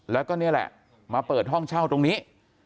แล้วก็นี่แหละมาเปิดห้องเช่าตรงนี้